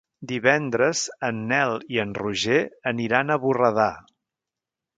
Divendres en Nel i en Roger aniran a Borredà.